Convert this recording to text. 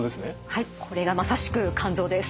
はいこれがまさしく肝臓です。